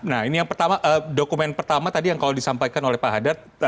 nah ini dokumen pertama tadi yang kalau disampaikan oleh pak haddad